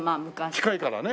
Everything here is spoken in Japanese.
近いからね。